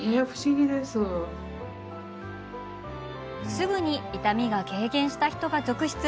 すぐに痛みが軽減した人が続出。